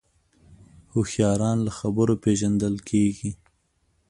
هوښیاران له خبرو پېژندل کېږي